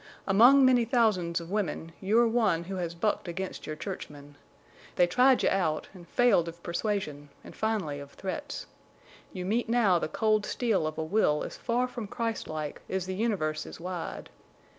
Among many thousands of women you're one who has bucked against your churchmen. They tried you out, an' failed of persuasion, an' finally of threats. You meet now the cold steel of a will as far from Christlike as the universe is wide.